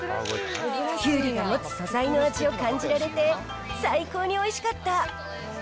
キュウリが持つ素材の味を感じられて、最高においしかった！